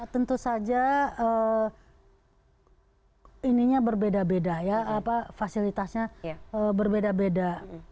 tentu saja ininya berbeda beda ya fasilitasnya berbeda beda